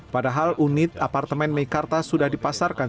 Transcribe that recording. padahal unit apartemen mekarta sudah dipasang